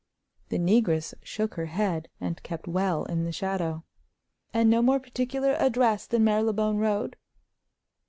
The negress shook her head, and kept well in the shadow. "And no more particular address than Marylebone Road?"